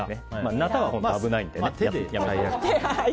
なたは危ないので。